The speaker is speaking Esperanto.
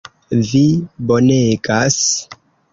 Vi bonegas!